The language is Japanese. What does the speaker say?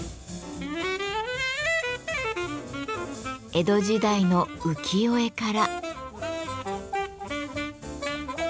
江戸時代の浮世絵から。